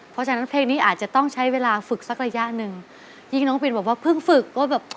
เพราะฉะนั้นเพลงนี้อาจจะต้องใช้เวลาฝึกสักระยะหนึ่งยิ่งน้องปินบอกว่าเพิ่งฝึกว่าแบบ